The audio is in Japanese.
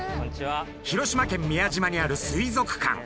広島県宮島にある水族館。